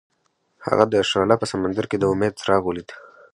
هغه د شعله په سمندر کې د امید څراغ ولید.